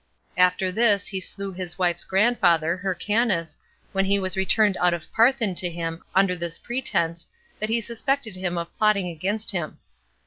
After this he slew his wife's grandfather, Hyrcanus, when he was returned out of Parthin to him, under this pretense, that he suspected him of plotting against him.